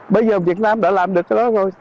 bây giờ việt nam đã làm được cái đó rồi